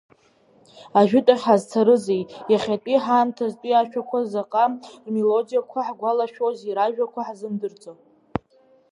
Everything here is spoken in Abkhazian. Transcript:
Ажәытә ахь ҳазцарызеи, иахьатәи ҳаамҭазтәи ашәақәа заҟа рмелодиақәа ҳгәалашәозеи ражәақәа ҳзымдырӡо.